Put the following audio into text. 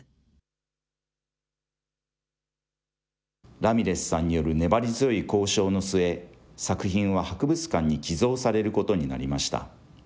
ラミレスさんによる粘り強い交渉の末、作品は博物館に寄贈されることになりました。